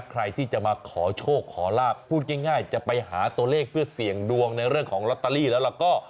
ใครที่จะมาขอโชคขอลาบพูดง่ายจะไปหาตัวเลขเพื่อเสี่ยงดวงในเรื่องของลอตเตอรี่แล้วก็